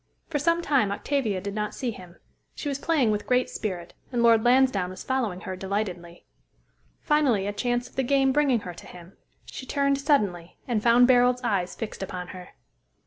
For some time Octavia did not see him. She was playing with great spirit, and Lord Lansdowne was following her delightedly. Finally a chance of the game bringing her to him, she turned suddenly, and found Barold's eyes fixed upon her.